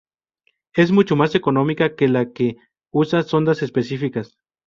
Es mucho más económica que la que usa sondas específicas.